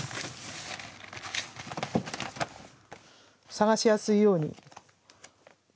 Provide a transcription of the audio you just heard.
探しやすいように。